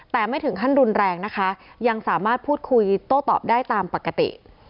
แต่ไม่ถึงขั้นรุนแรงนะคะยังสามารถพูดคุยโต้ตอบได้ตามปกติ